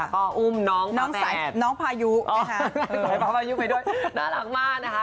ก็อุ้มน้องพระแปดน้องพายุใช่ไหมคะน้องพายุไปด้วยน่ารักมากนะคะ